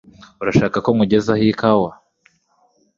Urashaka ko nkugezaho ikawa?